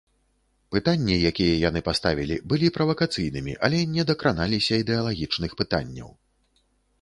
Пытанні, якія яны паставілі, былі правакацыйнымі, але не дакраналіся ідэалагічных пытанняў.